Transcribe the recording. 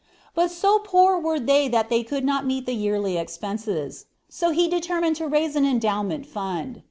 But so poor were they that they could not meet the yearly expenses, so he determined to raise an endowment fund.